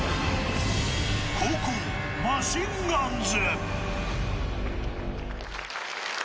後攻、マシンガンズ。